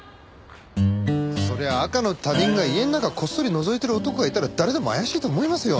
そりゃ赤の他人が家の中こっそりのぞいてる男がいたら誰でも怪しいと思いますよ。